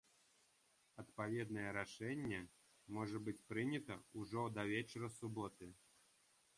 Адпаведнае рашэнне можа быць прынята ўжо да вечара суботы.